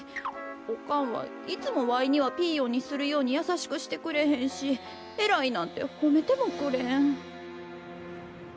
おかんはいつもわいにはピーヨンにするようにやさしくしてくれへんし「えらい」なんてほめてもくれん。